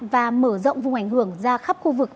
và mở rộng vùng ảnh hưởng ra khắp khu vực